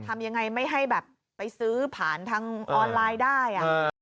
ทำยังไงไม่ให้แบบไปซื้อผ่านทางออนไลน์ได้